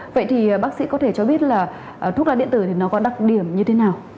vậy thì bác sĩ có thể cho biết là thuốc lá điện tử thì nó có đặc điểm như thế nào